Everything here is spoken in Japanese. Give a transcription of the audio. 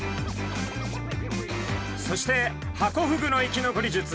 そしてハコフグの生き残り術